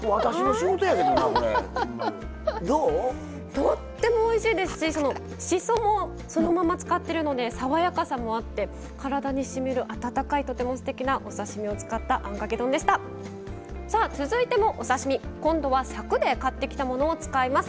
とってもおいしいですししそもそのまま使ってるので爽やかさもあって体にしみる温かいとてもすてきなお刺身を使ったあんかけ丼でした！さあ続いてもお刺身。今度はさくで買ってきたものを使います。